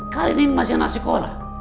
kali ini masih anak sekolah